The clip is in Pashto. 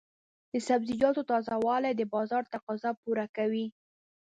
د سبزیجاتو تازه والي د بازار تقاضا پوره کوي.